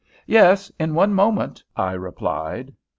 "Yes, in one moment," I replied.